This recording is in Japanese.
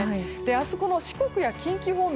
明日、四国や近畿方面